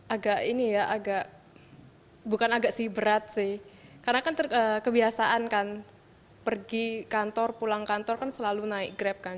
agak ini ya agak bukan agak sih berat sih karena kan kebiasaan kan pergi kantor pulang kantor kan selalu naik grab kan